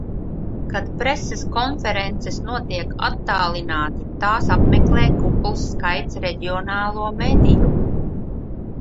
Kad preses konferences notiek attālināti, tās apmeklē kupls skaits reģionālo mediju.